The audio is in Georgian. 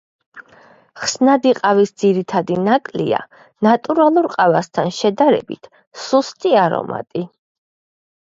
ხსნადი ყავის ძირითადი ნაკლია ნატურალურ ყავასთან შედარებით სუსტი არომატი.